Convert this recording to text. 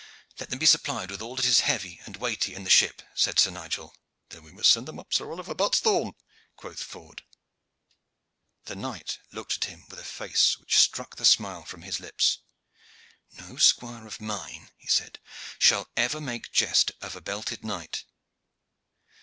"Let them be supplied with all that is heavy and weighty in the ship," said Sir Nigel. "Then we must send them up Sir Oliver Buttesthorn," quoth Ford. The knight looked at him with a face which struck the smile from his lips. "No squire of mine," he said, "shall ever make jest of a belted knight.